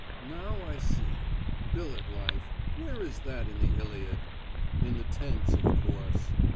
Now I see. Billet life where is that in the Iliad? In the tents, of course.